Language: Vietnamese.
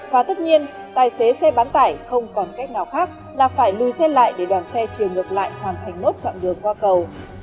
và tất nhiên tài xế xe bán tải không còn cách nào khác là phải lùi xe lại để đoàn xe chiều ngược lại hoàn thành nốt chặn đường qua cầu